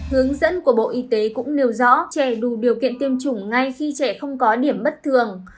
hướng dẫn của bộ y tế cũng nêu rõ trẻ đủ điều kiện tiêm chủng ngay khi trẻ không có điểm bất thường